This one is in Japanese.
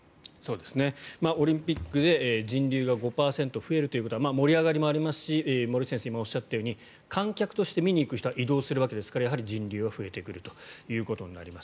オリンピックで人流が５％増えるということは盛り上がりもありますし森内先生が今おっしゃったように観客として見に行く人は移動するわけですからやはり人流は増えてくるということになります。